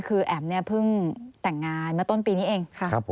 คือแอ๋มเนี่ยเพิ่งแต่งงานเมื่อต้นปีนี้เอง